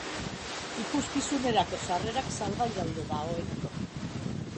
Ikuskizunerako sarrerak salgai daude dagoeneko.